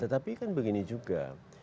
tetapi kan begini juga